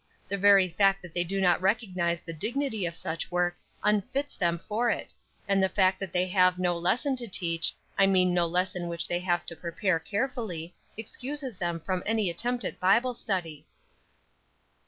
The very fact that they do not recognize the dignity of such work unfits them for it; and the fact that they have no lesson to teach, I mean no lesson which they have to prepare carefully, excuses them from any attempt at Bible study."